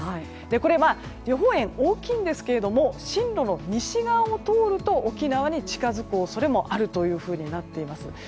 これは予報円が大きいんですけれども進路の西側を通ると沖縄に近づく恐れもあるとなっています。